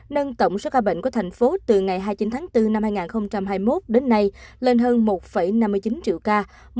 nâng tổng số ca bệnh của thành phố từ ngày hai mươi chín tháng bốn năm hai nghìn hai mươi một đến nay lên hơn một năm mươi chín triệu ca